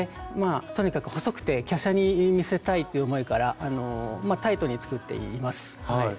とにかく細くて華奢に見せたいという思いからまあタイトに作っています。